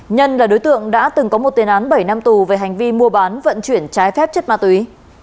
nhân là đối tượng đã từng có một tiền án bảy năm tù về hành vi mua bán vận chuyển trái phép chất ma túy